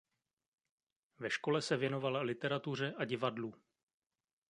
Ve škole se věnoval literatuře a divadlu.